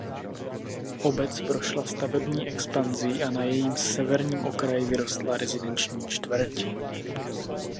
Obec prošla stavební expanzí a na jejím severním okraji vyrostla rezidenční čtvrť.